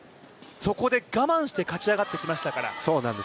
そこで我慢して勝ち上がってきましたから。